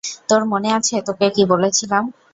তোর মনে আছে, তোকে কি বলেছিলাম?